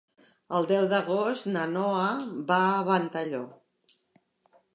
El deu d'agost na Noa va a Ventalló.